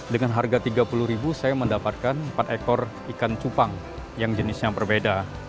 dengan harga rp tiga puluh saya mendapatkan empat ekor ikan cupang yang jenisnya berbeda